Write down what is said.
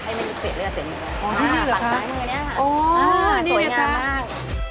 อ๋อที่นี่เหรอคะอ๋อนี่เนี่ยค่ะโอ้นี่เนี่ยค่ะสวยงามมาก